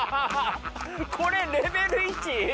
これレベル１！？